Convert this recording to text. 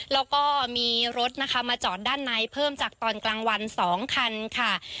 แล้วก็มีรถนะคะมาจอดด้านในเพิ่มจากตอนกลางวัน๒คันค่ะ